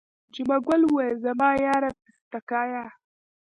جمعه ګل وویل زما یاره پستکیه.